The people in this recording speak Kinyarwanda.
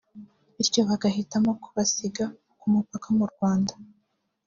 bityo bagahitamo kubasiga ku mupaka mu Rwanda